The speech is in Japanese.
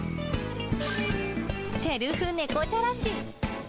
セルフ猫じゃらし。